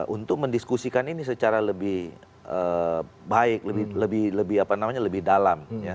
untuk mendiskusikan ini secara lebih baik lebih apa namanya lebih dalam